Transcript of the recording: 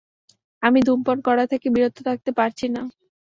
আমি ধূমপান করা থেকে বিরত থাকতে পারছি না!